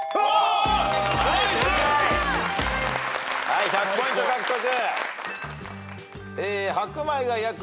はい１００ポイント獲得。